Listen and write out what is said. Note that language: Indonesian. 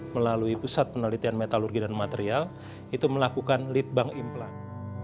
melalui pusat penelitian metalurgi dan material itu melakukan lead bank implant